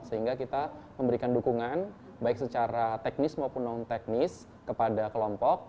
sehingga kita memberikan dukungan baik secara teknis maupun non teknis kepada kelompok